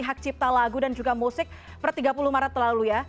hak cipta lagu dan juga musik per tiga puluh maret lalu ya